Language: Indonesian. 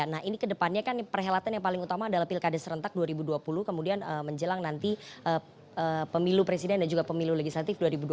nah ini kedepannya kan perhelatan yang paling utama adalah pilkada serentak dua ribu dua puluh kemudian menjelang nanti pemilu presiden dan juga pemilu legislatif dua ribu dua puluh